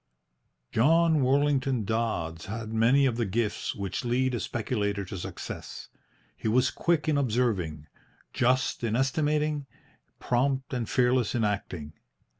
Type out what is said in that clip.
John Worlington Dodds had many of the gifts which lead a speculator to success. He was quick in observing, just in estimating, prompt and fearless in acting.